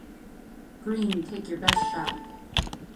Green, take your best shot.